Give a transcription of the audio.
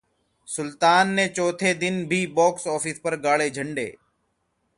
'सुल्तान' ने चौथे दिन भी बॉक्स ऑफिस पर गाड़े झंडे